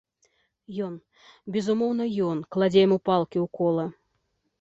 Ён, безумоўна ён, кладзе яму палкі ў кола!